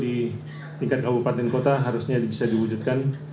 di tingkat kabupaten kota harusnya bisa diwujudkan